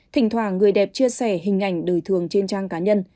thỉnh thoả người đẹp chia sẻ hình ảnh đời thường trên trang cá nhân